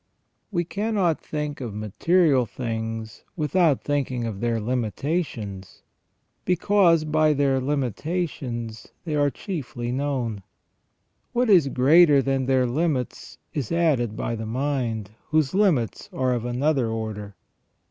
We cannot think of material things without thinking of their limitations, because by their limitations they are chiefly known. What is greater than their limits is added by the mind, whose limits are of another order.